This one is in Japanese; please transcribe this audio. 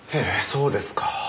そうですか。